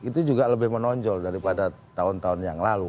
itu juga lebih menonjol daripada tahun tahun yang lalu